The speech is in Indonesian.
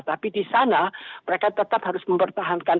tapi di sana mereka tetap harus mempertahankan